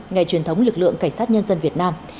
ngày truyền thống lực lượng cảnh sát nhân dân việt nam